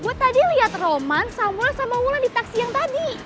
gue tadi lihat roman samuel sama wulan di taksi yang tadi